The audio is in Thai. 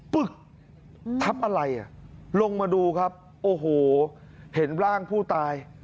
ปึ๊กทับอะไรอ่ะลงมาดูครับโอ้โหเห็นร่างผู้ตาย